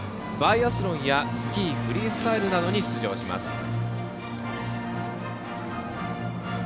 バイアスロンやスキー・フリースタイルなどに出場します。